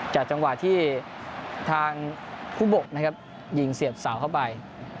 จังหวะที่ทางผู้บกนะครับยิงเสียบเสาเข้าไป